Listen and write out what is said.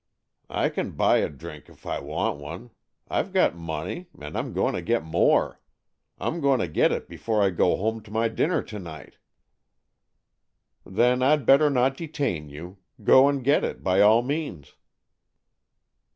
I can buy a drink if I want one. I've got money, and I'm going to get more. I'm going to get it before I go home to my dinner to night." " Then I'd better not detain you. Go and get it by all means."